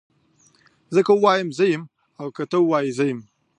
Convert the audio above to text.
که زه ووایم زه يم او که ته ووايي زه يم